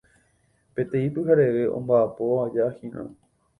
Peteĩ pyhareve omba'apo'ajahína